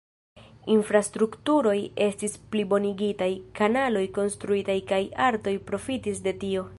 Infrastrukturoj estis plibonigitaj, kanaloj konstruitaj kaj artoj profitis de tio.